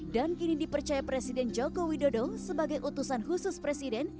dan kini dipercaya presiden joko widodo sebagai utusan khusus presiden